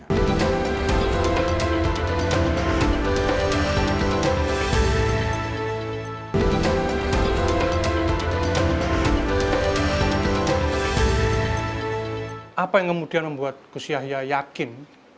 apa yang kemudian membuat gus yahya yakin